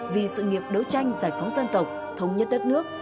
vì sự nghiệp đấu tranh giải phóng dân tộc thống nhất đất nước